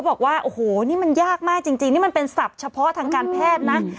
บอกว่าโอ้โหนี่มันยากมากจริงนี่มันเป็นศัพท์เฉพาะทางการแพทย์นะ